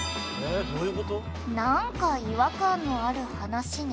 「なんか違和感のある話ね」